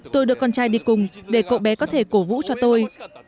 tôi được con trai đi cùng để cậu bé có thể cổ vũ cho tôi